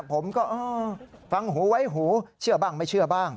ผมก็ฟังหูไว้หูเชื่อบ้างไม่เชื่อบ้าง